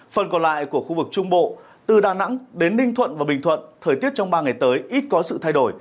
phần còn lại của khu vực trung bộ từ đà nẵng đến ninh thuận và bình thuận thời tiết trong ba ngày tới ít có sự thay đổi